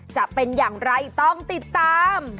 จะเป็นอย่างไรต้องติดตาม